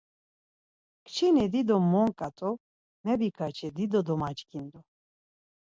Kçini dido monǩa t̆u, mebikaçi, dido domaç̌ǩindu.